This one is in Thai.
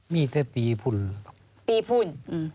มีแต่ปีพุ่น